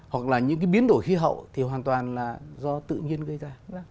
hoặc là những cái biến đổi khí hậu thì hoàn toàn là do tự nhiên gây ra